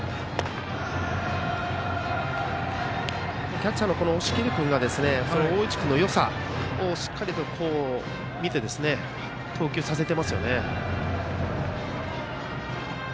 キャッチャーの押切君が大内君のよさをしっかりと見て投球させていますよね。